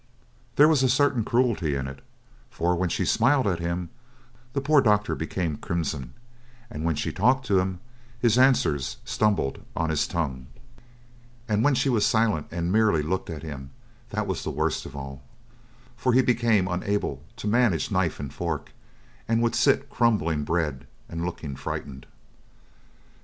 There was a certain cruelty in it, for when she smiled at him the poor doctor became crimson, and when she talked to him his answers stumbled on his tongue; and when she was silent and merely looked at him that was worst of all, for he became unable to manage knife and fork and would sit crumbling bread and looking frightened.